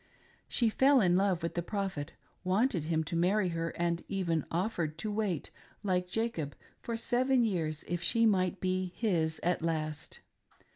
She fell in love with the Prophet, wanted him to marry her, and even offered to wait, like Jacob, for seven years if she might be his at last.